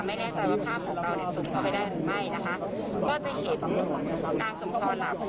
ไม่แน่ใจว่าภาพของเราเนี่ยสูบเข้าไปได้หรือไม่นะคะก็จะเห็นนางสมพรหลาโพ